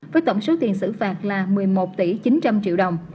với tổng số tiền xử phạt là một mươi một tỷ chín trăm linh triệu đồng